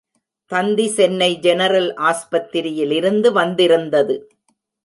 தந்தி Chennai general ஆஸ்பத்திரியிலிருந்து வந்திருந்தது.